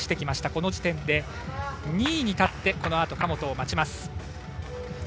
この時点で２位に立って神本を待ちます。